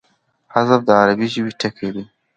حذف د عربي ژبي ټکی دﺉ.